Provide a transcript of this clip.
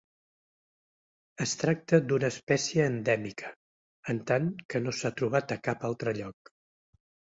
Es tracta d'una espècie endèmica, en tant que no s'ha trobat a cap altre lloc.